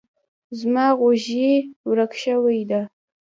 زما غوږۍ ورک شوی ده.